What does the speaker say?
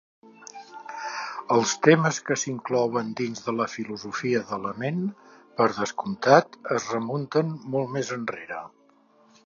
Els temes que s'inclouen dins de la filosofia de la ment, per descomptat, es remunten molt més enrere.